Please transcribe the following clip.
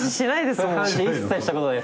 そんな話一切したことない。